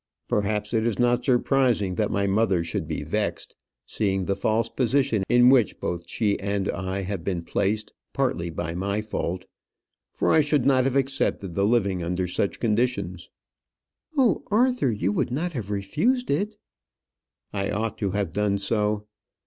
"Perhaps it is not surprising that my mother should be vexed, seeing the false position in which both she and I have been placed; partly by my fault, for I should not have accepted the living under such conditions." "Oh, Arthur, you would not have refused it?" "I ought to have done so.